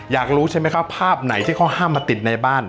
อยากรู้ใช่ไหมครับภาพไหนที่เขาห้ามมาติดในบ้าน